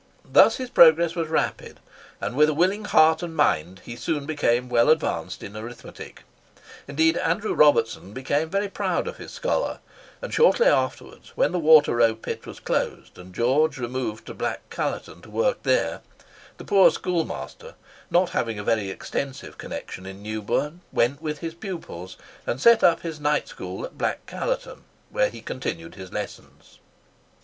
Thus his progress was rapid, and, with a willing heart and mind, he soon became well advanced in arithmetic. Indeed, Andrew Robertson became very proud of his scholar; and shortly after, when the Water row Pit was closed, and George removed to Black Callerton to work there, the poor schoolmaster, not having a very extensive connexion in Newburn, went with his pupils, and set up his night school at Black Callerton, where he continued his lessons.